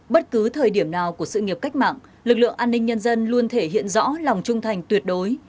bất cứ thời điểm nào của sự nghiệp cách mạng lực lượng an ninh nhân dân luôn thể hiện rõ lòng trung thành tuyệt đối